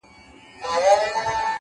لوړ همت د خنډونو قد ټیټوي،